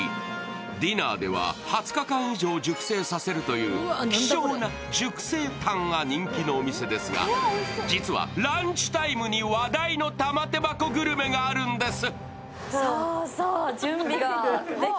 ディナーでは２０日間以上熟成させるという希少な熟成タンが人気のお店ですが、実はランチタイムに話題の玉手箱グルメがあるんです。